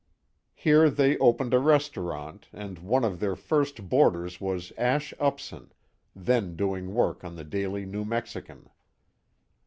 Here they opened a restaurant, and one of their first boarders was Ash Upson, then doing work on the Daily New Mexican.